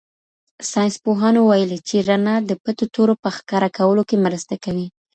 ساینس پوهانو ویلي چي رڼا د پټو تورو په ښکاره کولو کي مرسته کوي.